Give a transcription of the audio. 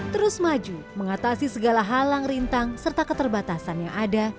terus maju mengatasi segala halang rintang serta keterbatasan yang ada